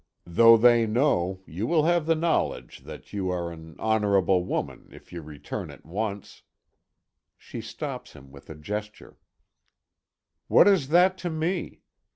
Though they know, you will have the knowledge that you are an honorable woman if you return at once " She stops him with a gesture: "What is that to me?